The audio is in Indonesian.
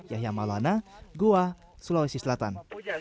yahya malwana gua sulawesi selatan